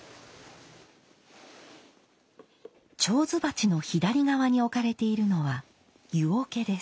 手水鉢の左側に置かれているのは湯桶です。